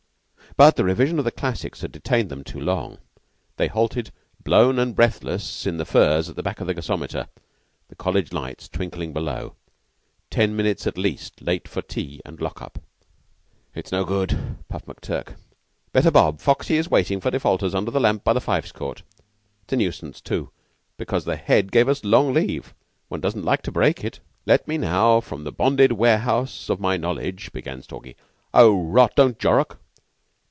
But the revision of the classics had detained them too long. They halted, blown and breathless, in the furze at the back of the gasometer, the College lights twinkling below, ten minutes at least late for tea and lock up. "It's no good," puffed McTurk. "Bet a bob Foxy is waiting for defaulters under the lamp by the Fives Court. It's a nuisance, too, because the Head gave us long leave, and one doesn't like to break it." "'Let me now from the bonded ware'ouse of my knowledge,'" began Stalky. "Oh, rot! Don't Jorrock.